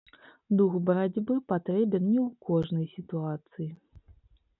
Дух барацьбы патрэбен не ў кожнай сітуацыі.